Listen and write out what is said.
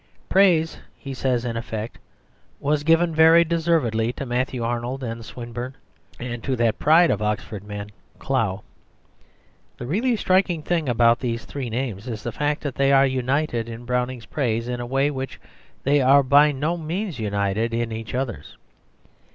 "Praise," he says in effect, "was given very deservedly to Matthew Arnold and Swinburne, and to that pride of Oxford men, Clough." The really striking thing about these three names is the fact that they are united in Browning's praise in a way in which they are by no means united in each other's.